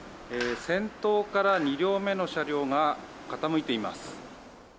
先頭から２両目の車両が傾いています。